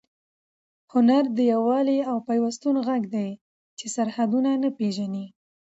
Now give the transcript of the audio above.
هنر د یووالي او پیوستون غږ دی چې سرحدونه نه پېژني.